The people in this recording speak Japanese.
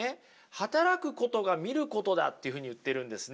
働くことが見ることだっていうふうに言ってるんですね。